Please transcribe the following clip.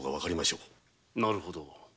なるほど。